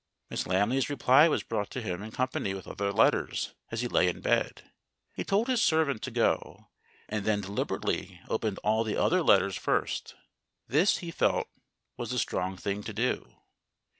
Miss Lamley's reply was brought to him in company with other letters, as he lay in bed. He told his servant to go, and then deliberately opened all the other letters first. This, he felt, was the strong thing to do.